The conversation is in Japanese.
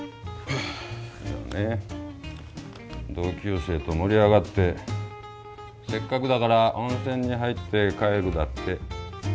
いやね同級生と盛り上がってせっかくだから温泉に入って帰るだって。